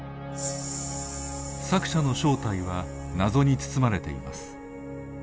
作者の正体は謎に包まれています。